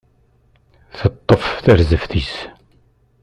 Teṭṭef tarzeft-is.